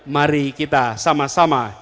mari kita sama sama